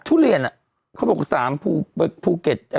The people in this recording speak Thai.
ทุเรียนเขาบอก๓ภูเก็ต